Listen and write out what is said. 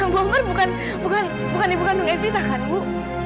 bu ambar bukan ibu kandung evita kan bu